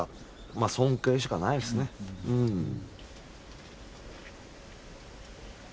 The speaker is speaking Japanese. まあ尊敬しかないっすねうん。